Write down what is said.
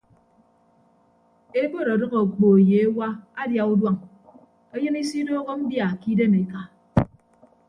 Ebot ọdʌk okpo ye ewa adia uduañ eyịn isidooho mbia ke idem eka.